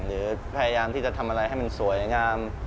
หรือพยายามที่จะทำอะไรให้มันสวยงาม